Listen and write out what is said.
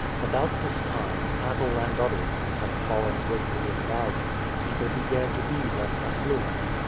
About this time, cattle and other things having fallen greatly in value, people began to be less affluent.